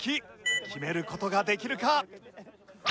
決める事ができるか？